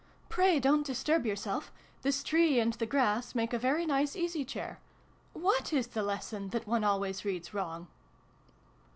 " Pray don't disturb yourself. This tree and the grass make a very nice easy chair. What is the lesson that one always reads wrong